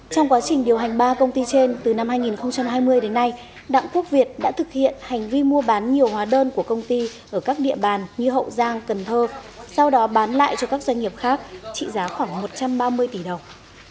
trong quá trình điều hành ba công ty trên từ năm hai nghìn hai mươi đến nay đặng quốc việt đã thực hiện hành vi mua bán nhiều hóa đơn của công ty ở các địa bàn như hậu giang cần thơ sau đó bán lại cho các doanh nghiệp khác trị giá khoảng một trăm ba mươi tỷ đồng